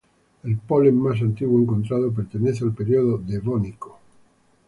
El polen más antiguo encontrado pertenece al período Devónico.